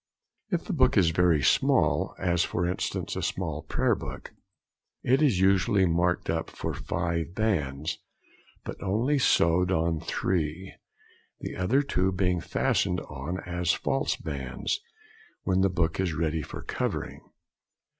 If the book is very small, as for instance a small prayer book, it is usually marked up for five bands, but only sewed on three; the other two being fastened on as false bands when the book is ready for covering.